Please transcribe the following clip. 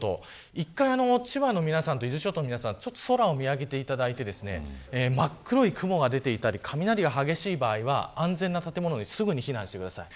一回、千葉の皆さんと伊豆諸島の皆さん空を見上げていただいて真っ黒い雲が出ていたり、激しい雷が激しい場合は安全な建物にすぐに避難してください。